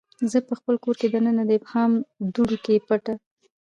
زه پخپل کور کې دننه د ابهام دوړو کې پټه